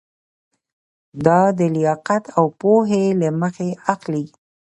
دا د لیاقت او پوهې له مخې اخلي.